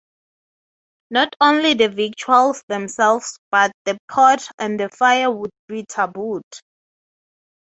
Not only the victuals themselves but the pot and the fire would be tabooed.